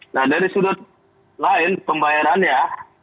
nah dari sudut lain pembayarannya